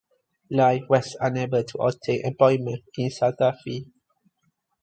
Lyle was unable to obtain employment in Santa Fe.